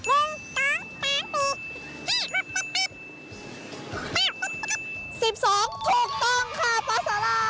๑๒ถูกต้องค่ะปลาสาหร่าย